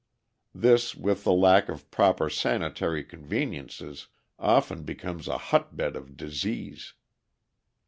This, with the lack of proper sanitary conveniences, often becomes a hotbed of disease.